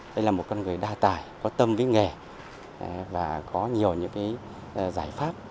đây là một con người đa tài có tâm với nghề và có nhiều những cái giải pháp